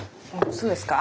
そうですか？